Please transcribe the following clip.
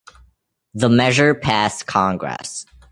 The measure passed Congress.